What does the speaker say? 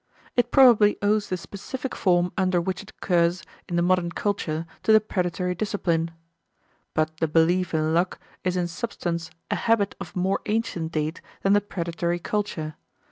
It probably owes the specific form under which it occurs in the modern culture to the predatory discipline. But the belief in luck is in substance a habit of more ancient date than the predatory culture.